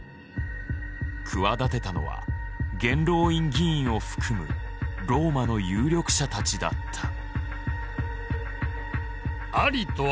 企てたのは元老院議員を含むローマの有力者たちだった。